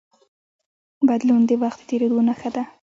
بدلون د وخت د تېرېدو نښه ده.